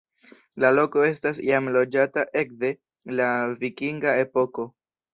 La loko estas jam loĝata ekde la vikinga epoko.